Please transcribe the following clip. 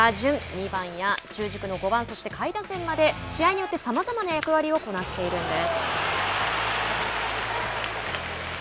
２番や中軸の５番そして下位打線まで試合によってさまざまな役割をこなしているんです。